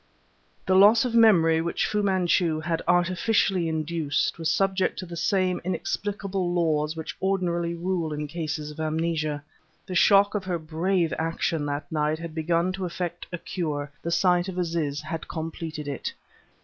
The loss of memory which Fu Manchu had artificially induced was subject to the same inexplicable laws which ordinarily rule in cases of amnesia. The shock of her brave action that night had begun to effect a cure; the sight of Aziz had completed it.